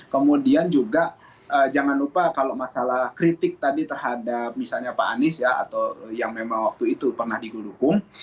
kemudian juga jangan lupa kalau masalah kritik tadi terhadap misalnya pak anies ya atau yang memang waktu itu pernah digelukung